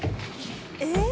「えっ？」